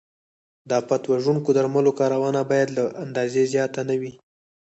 د آفت وژونکو درملو کارونه باید له اندازې زیات نه وي.